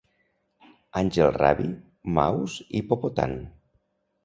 Angel Rabbie, Mouse i Popotan.